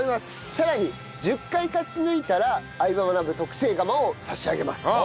さらに１０回勝ち抜いたら『相葉マナブ』特製釜を差し上げます。